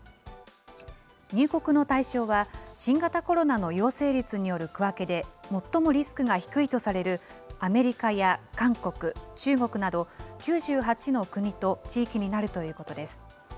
入国の対象は、新型コロナの陽性率による区分けで最もリスクが低いとされるアメリカや韓国、中国など、９８の国と地域になるということです。